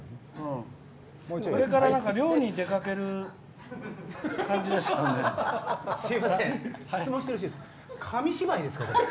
これから漁に出かける感じですかね。